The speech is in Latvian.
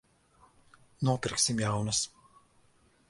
Nopirksim jaunas.